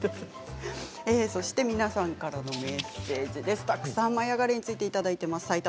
皆さんからのメッセージたくさん「舞いあがれ！」についていただきました。